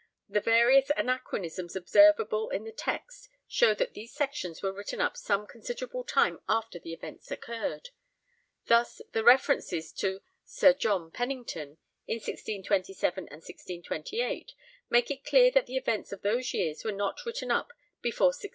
The various anachronisms observable in the text show that these sections were written up some considerable time after the events occurred. Thus, the references to 'Sir' John Pennington in 1627 and 1628 make it clear that the events of those years were not written up before 1634.